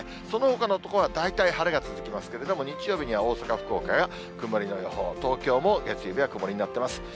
そのほかの所は大体晴れが続きますけれども、日曜日には大阪、福岡は曇りの予報、東京も月曜日は曇りになっています。